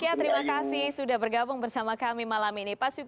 iya terima kasih betul pak